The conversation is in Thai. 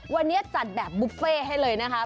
วันนี้จัดแบบบุฟเฟ่ให้เลยนะคะ